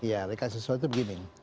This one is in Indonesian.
iya rekayasa sosial itu begini